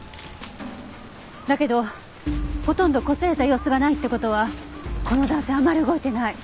だけどほとんどこすれた様子がないって事はこの男性あまり動いてない。